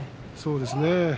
そうですね。